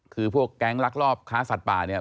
คือพวกแก๊งลักลอบค้าสัตว์ป่าเนี่ย